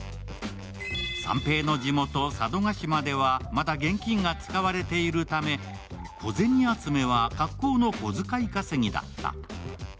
三平の地元・佐渡島ではまだ厳禁が使われているため、小銭集めは格好の小遣い稼ぎだった。